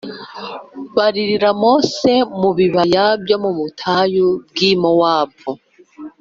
baririra mose mu bibaya byo mu butayu bw’i mowabu